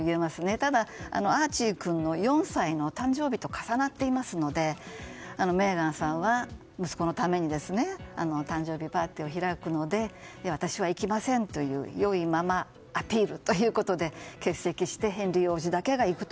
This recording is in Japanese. ただ、アーチー君の４歳の誕生日と重なっていますのでメーガンさんは息子のために誕生日パーティーを開くので、私は行きませんという良いママアピールということで欠席してヘンリー王子だけが行くと。